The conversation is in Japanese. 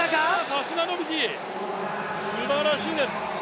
さすがノビキ、すばらしいです！